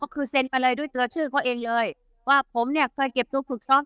ก็คือเซ็นไปเลยด้วยตัวชื่อเขาเองเลยว่าผมเนี่ยเคยเก็บตัวฝึกซ้อม